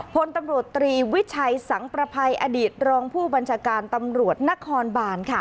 พลตำรวจตรีวิชัยสังประภัยอดีตรองผู้บัญชาการตำรวจนครบานค่ะ